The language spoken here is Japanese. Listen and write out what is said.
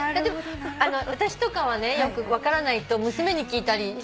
でも私とかはねよく分からないと娘に聞いたり。